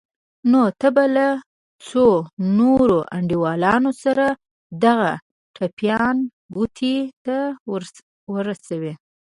نو ته به له څو نورو انډيوالانو سره دغه ټپيان کوټې ته ورسوې.